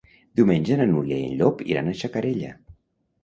Diumenge na Núria i en Llop iran a Xacarella.